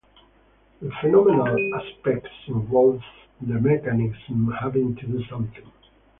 The phenomenal aspect involves the mechanism having to do something.